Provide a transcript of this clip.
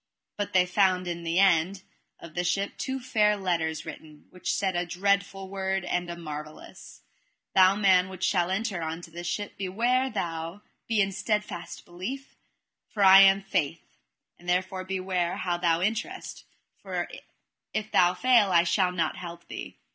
But they found in the end of the ship two fair letters written, which said a dreadful word and a marvellous: Thou man, which shall enter into this ship, beware thou be in steadfast belief, for I am Faith, and therefore beware how thou enterest, for an thou fail I shall not help thee.